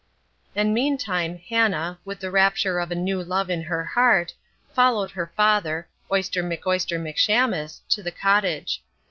And meantime Hannah, with the rapture of a new love in her heart, followed her father, Oyster McOyster McShamus, to the cottage.